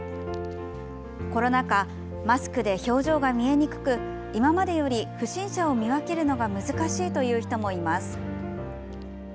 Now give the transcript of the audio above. コロナ禍マスクで表情が見えにくく今までより不審者を見分けるのが難しいという人もいます。